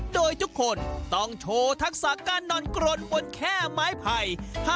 โดยทุกคนต้องโชว์ทักษะการนอนกรนบนแค่ไม้ไผ่